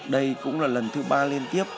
đây cũng là lần thứ ba liên tiếp